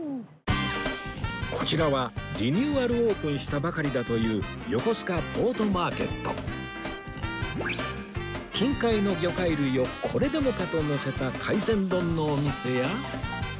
こちらはリニューアルオープンしたばかりだという近海の魚介類をこれでもかとのせた海鮮丼のお店や